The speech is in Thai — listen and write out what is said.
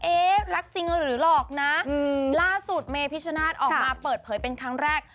รักจริงหรือหลอกนะล่าสุดเมพิชนาธิ์ออกมาเปิดเผยเป็นครั้งแรก